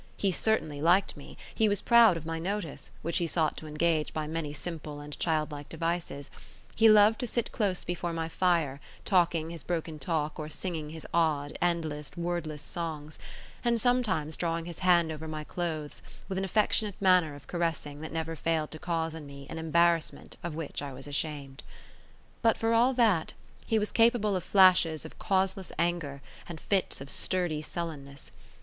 He certainly liked me; he was proud of my notice, which he sought to engage by many simple and childlike devices; he loved to sit close before my fire, talking his broken talk or singing his odd, endless, wordless songs, and sometimes drawing his hand over my clothes with an affectionate manner of caressing that never failed to cause in me an embarrassment of which I was ashamed. But for all that, he was capable of flashes of causeless anger and fits of sturdy sullenness.